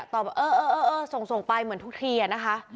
ตอบเออเออเออเออส่งส่งไปเหมือนทุกทีอ่ะนะคะ